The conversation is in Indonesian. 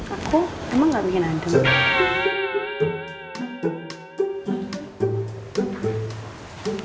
aku emang gak bikin handeng